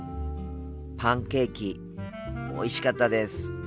パンケーキおいしかったです。